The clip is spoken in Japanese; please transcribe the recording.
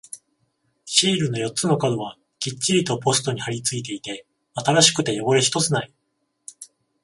シールの四つの角はきっちりとポストに貼り付いていて、新しくて汚れ一つない。